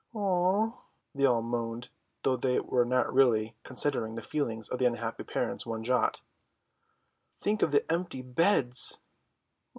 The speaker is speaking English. "Oo!" they all moaned, though they were not really considering the feelings of the unhappy parents one jot. "Think of the empty beds!"